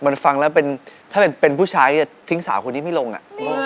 มันฟังแล้วเป็นถ้าเป็นผู้ชายจะทิ้งสาวคนนี้ไม่ลงอ่ะ